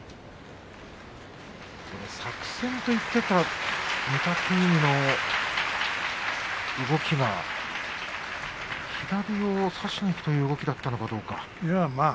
作戦と言っていた御嶽海の動きは左を差しにいくという動きだったのかどうか。